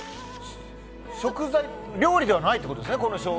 食材？料理ではないということですね。